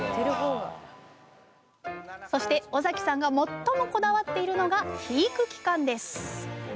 そして尾崎さんが最もこだわっているのが肥育期間です。